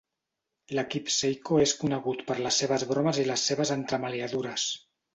L"equip Saeco és conegut per les seves bromes i les seves entremaliadures.